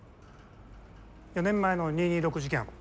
４年前の二・二六事件。